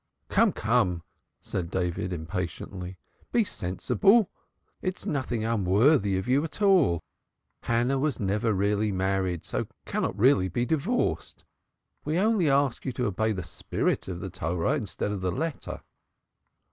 "Come, come!" said David impatiently. "Be sensible. It's nothing unworthy of you at all. Hannah was never really married, so cannot be really divorced. We only ask you to obey the spirit of the Torah instead of the letter."